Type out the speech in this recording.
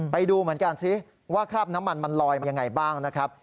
ไปดูเหมือนกันสิว่าคราบน้ำมันมันลอยมายังไงบ้างนะครับ